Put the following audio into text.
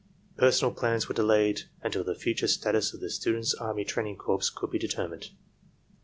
Personnel plans were delayed until the future status of the Students' Army Training Corps could be determined.